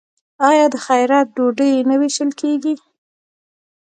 آیا د خیرات ډوډۍ نه ویشل کیږي؟